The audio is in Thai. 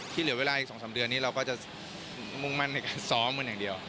เหลือเวลาอีก๒๓เดือนนี้เราก็จะมุ่งมั่นในการซ้อมกันอย่างเดียว